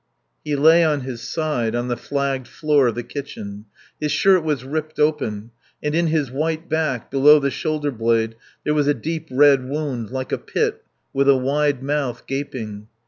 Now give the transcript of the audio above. He lay on his side on the flagged floor of the kitchen. His shirt was ripped open, and in his white back, below the shoulder blade, there was a deep red wound, like a pit, with a wide mouth, gaping.